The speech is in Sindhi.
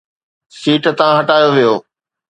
سيٽ تان هٽايو ويو